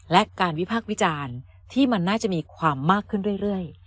และการวิพากษ์วิจารณ์ที่มันน่าจะมีความมากขึ้นเรื่อย